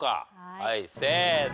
はいせーの！